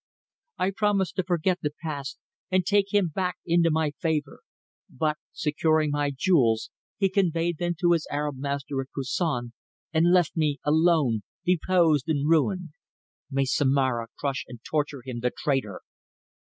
I promised to forget the past and take him back into my favour. But, securing my jewels, he conveyed them to his Arab master at Koussan, and left me alone, deposed and ruined. May Zomara crush and torture him, the traitor!"